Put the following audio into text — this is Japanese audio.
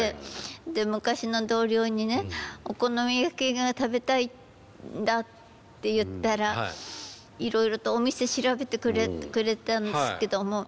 で昔の同僚にねお好み焼きが食べたいんだって言ったらいろいろとお店調べてくれたんですけども。